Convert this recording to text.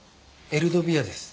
エルドビアです。